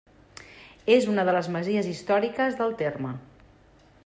És una de les masies històriques del terme.